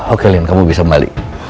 oke lian kamu bisa balik